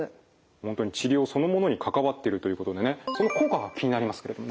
本当に治療そのものに関わってるということでねその効果が気になりますけれどもね。